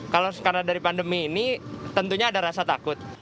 kalau karena dari pandemi ini tentunya ada rasa takut